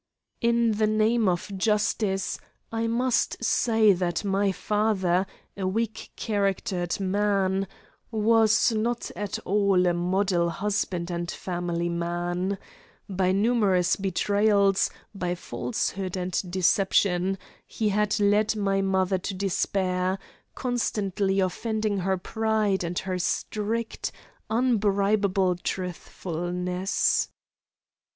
In the name of justice, I must say that my father, a weak charactered man, was not at all a model husband and family man; by numerous betrayals, by falsehood and deception he had led my mother to despair, constantly offending her pride and her strict, unbribable truthfulness.